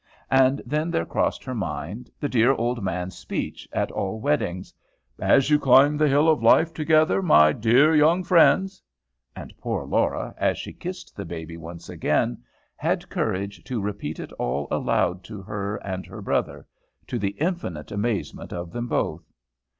And then there crossed her mind the dear old man's speech at all weddings, "As you climb the hill of life together, my dear young friends," and poor Laura, as she kissed the baby once again, had courage to repeat it all aloud to her and her brother, to the infinite amazement of them both.